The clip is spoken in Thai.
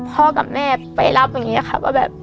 พ่อกับแม่ไปรับอย่างนี้ค่ะ